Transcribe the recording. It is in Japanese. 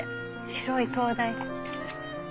白い灯台。